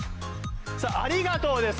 さっ「ありがとう」です。